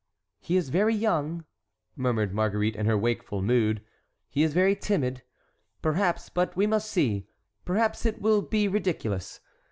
"He is very young," murmured Marguerite in her wakeful mood, "he is very timid; perhaps—but we must see—perhaps it will be ridiculous.